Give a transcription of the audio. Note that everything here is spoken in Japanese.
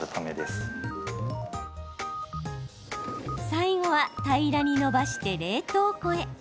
最後は平らに伸ばして冷凍庫へ。